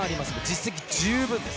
実績十分です。